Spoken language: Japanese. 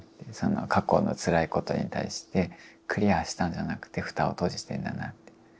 過去のつらいことに対してクリアしたんじゃなくて蓋を閉じてんだなって。